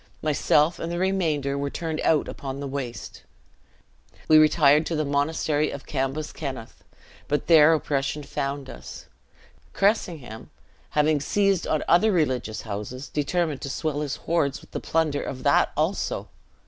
Myself and the remainder were turned out upon the waste. We retired to the Monastery of Cambuskenneth; but there oppression found us. Cressingham, having seized on other religious houses, determined to swell his hoards with the plunder of that also.